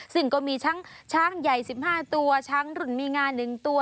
ซึ่งก็มีช้างใหญ่๑๕ตัวช้างรุ่นมีงา๑ตัว